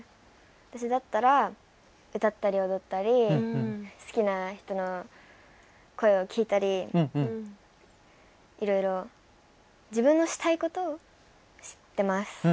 私だったら、歌ったり踊ったり好きな人の声を聞いたりいろいろ自分のしたいことをしてます。